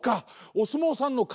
お相撲さんのからだ